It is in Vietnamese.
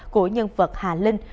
của nhân vật hà linh